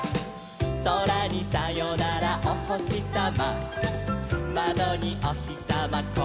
「そらにさよならおほしさま」「まどにおひさまこんにちは」